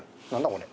これ。